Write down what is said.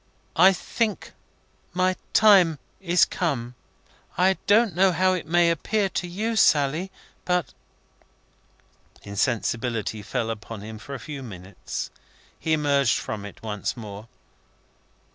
I think my time is come, I don't know how it may appear to you, Sally, but " Insensibility fell upon him for a few minutes; he emerged from it once more.